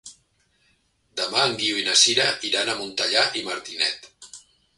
Demà en Guiu i na Sira iran a Montellà i Martinet.